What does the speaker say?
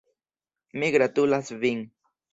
Mi gratulas vin!